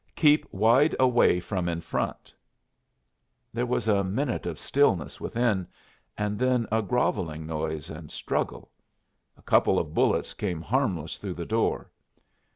Keep wide away from in front." There was a minute of stillness within, and then a groveling noise and struggle. A couple of bullets came harmless through the door.